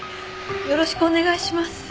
よろしくお願いします。